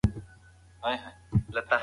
موږ په هغه کې ځان وینو.